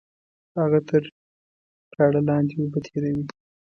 هغه تر پراړه لاندې اوبه تېروي